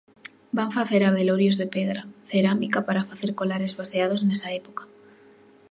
Van facer abelorios de pedra, cerámica para facer colares baseados nesa época.